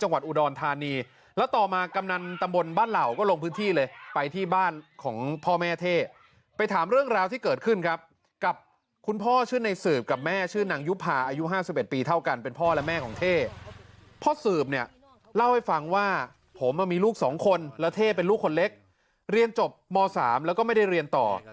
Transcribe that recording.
จังหวัดอุดรธานีแล้วต่อมากำนันตำบลบ้านเหล่าก็ลงพื้นที่เลยไปที่บ้านของพ่อแม่เท่ไปถามเรื่องราวที่เกิดขึ้นครับกับคุณพ่อชื่อในสืบกับแม่ชื่อนางยุภาอายุ๕๑ปีเท่ากันเป็นพ่อและแม่ของเท่พ่อสืบเนี่ยเล่าให้ฟังว่าผมมีลูกสองคนแล้วเท่เป็นลูกคนเล็กเรียนจบม๓แล้วก็ไม่ได้เรียนต่อ